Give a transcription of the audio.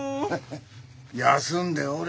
休んでおれ。